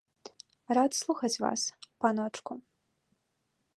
Рад слухаць вас, паночку.